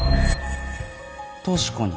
確かに。